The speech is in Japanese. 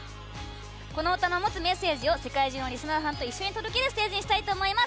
この歌の持つメッセージを世界中のりすなーさんと一緒に届けるステージにしたいと思います。